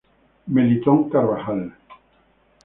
Melitón Carvajal.